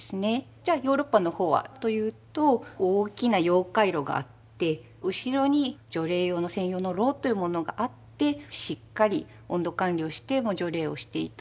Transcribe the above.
じゃあヨーロッパの方はというと大きな熔解炉があって後ろに徐冷用の専用の炉というものがあってしっかり温度管理をして徐冷をしていたという。